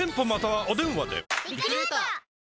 はい！